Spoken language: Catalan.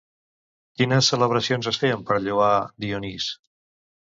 Quines celebracions es feien per a lloar Dionís?